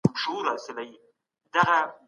که د دولت نظام پر اصولو ولاړ وي، نو ثبات به وي.